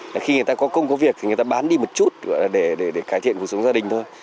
để khi người ta có công có việc thì người ta bán đi một chút để cải thiện cuộc sống gia đình thôi